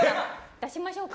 出しましょうか。